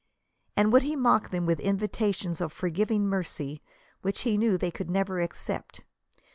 And would he mock them with invita tions of forgiving mercy which he knew they could never accept